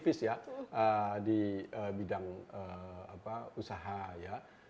vice ya di bidang usaha ya